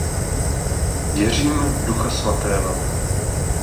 Věřím v Ducha svatého